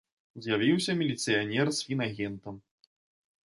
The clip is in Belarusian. З'явіўся міліцыянер з фінагентам.